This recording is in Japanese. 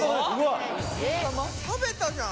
食べたじゃん。